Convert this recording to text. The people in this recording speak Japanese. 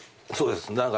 そうです。